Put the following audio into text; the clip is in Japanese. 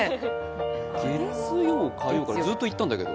月曜、火曜って、ずっと言ったんだけど。